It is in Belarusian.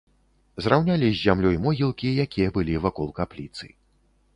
Зраўнялі з зямлёй могілкі, якія былі вакол капліцы.